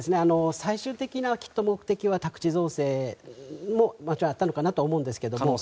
最終的な目的は宅地造成もあったのかなと思うんですけれども。